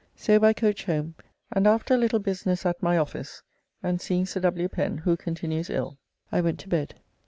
So by coach home, and after a little business at my office, and seeing Sir W. Pen, who continues ill, I went to bed.